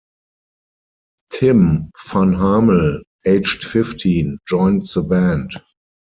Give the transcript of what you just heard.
Tim Vanhamel, aged fifteen, joined the band.